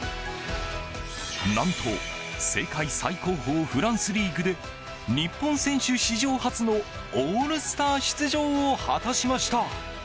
何と世界最高峰フランスリーグで日本選手史上初のオールスター出場を果たしました。